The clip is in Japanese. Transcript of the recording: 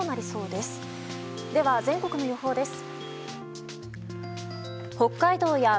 では全国の予報です。